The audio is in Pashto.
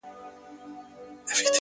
يې ياره شرموه مي مه ته هرڅه لرې ياره؛